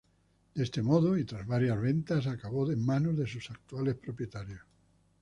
De este modo, y tras varias ventas acabó en manos de sus actuales propietarios.